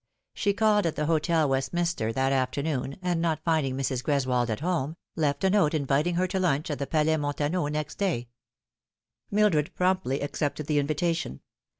She called at the Hotel Westminster that afternoon, and not finding Mrs. Greswold at home, left a note inviting her to lunch at the Palais Montafio next day. Mildred promptly accepted the invitation.